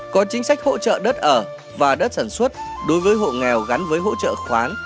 có chính sách hỗ trợ đất ở và đất sản xuất đối với hộ nghèo gắn với hỗ trợ khoán